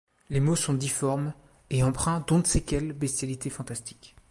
Les mots sont difformes, et empreints d’on ne sait quelle bestialité fantastique.